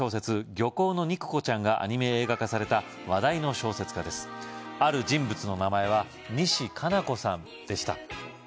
漁港の肉子ちゃんがアニメ映画化された話題の小説家ですある人物の名前は西加奈子さんでした